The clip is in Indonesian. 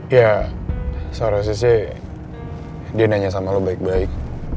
ya seharusnya sih dia nanya sama lo baik baik